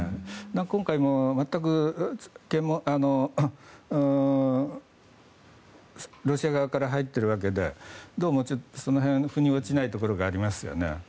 今回も全く検問ロシア側から入っているわけでどうもその辺が腑に落ちないところがありますよね。